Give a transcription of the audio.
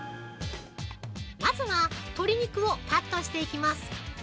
まずは鶏肉をカットしていきます！